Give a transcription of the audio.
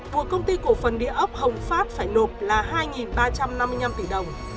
buộc công ty cổ phần địa ốc hồng pháp phải nộp là hai ba trăm năm mươi năm tỷ đồng